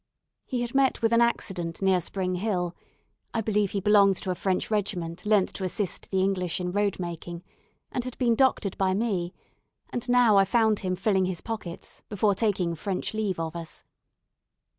He had met with an accident near Spring Hill (I believe he belonged to a French regiment lent to assist the English in road making), and had been doctored by me; and now I found him filling his pockets, before taking "French" leave of us.